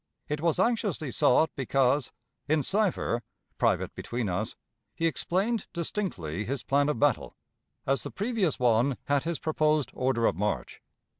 It was anxiously sought because, in cipher (private between us), he explained distinctly his plan of battle, as the previous one had his proposed order of march.